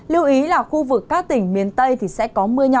lưu ý là khu vực các tỉnh miền tây thì sẽ có mưa nhỏ